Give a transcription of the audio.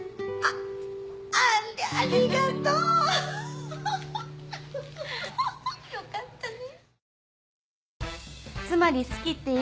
ありゃありがとう。よかったね。